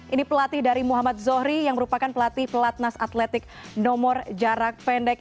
ini pelatih dari muhammad zohri yang merupakan pelatih pelatnas atletik nomor jarak pendek